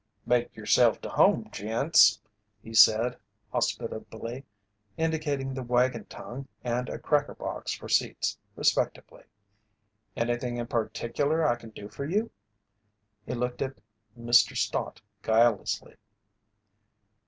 "Make yourself to home, gents," he said, hospitably, indicating the wagon tongue and a cracker box for seats, respectively. "Anything in particular I can do for you?" He looked at Mr. Stott guilelessly.